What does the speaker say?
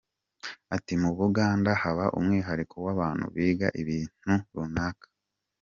Ati “Mu buganga haba umwihariko w’abantu biga ibintu runaka.